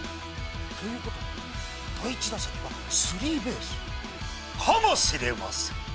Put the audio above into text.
ということは、第１打席はスリーベース、かもしれません。